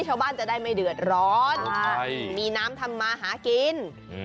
ชาวบ้านจะได้ไม่เดือดร้อนมีน้ำทำมาหากิน